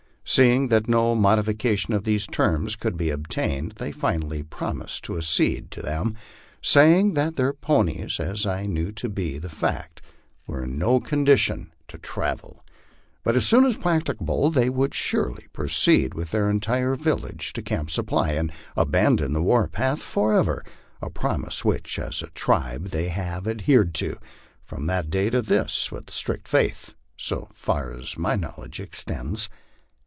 Seeing that no modi fication of these terms could be obtained, they finally promised to accede to them, saying that their ponies, as I knew to be the fact, were in no condition MY LIFE ON THE PLAINS. 253 to travel, but as soon as practicable they would surely proceed with their entire village to Camp Supply, and abandon the war path forever; a promise which, as a tribe, they have adhered to, from that day to this, with strict faith, so far as my knowledge extends.